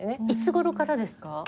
いつごろからですか？